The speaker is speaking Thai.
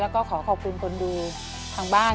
แล้วก็ขอขอบคุณคนดูทางบ้าน